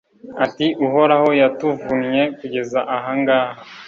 ati uhoraho yatuvunnye kugeza aha ngaha